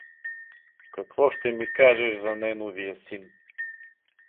Какво ще да ми кажеш за Неновия син?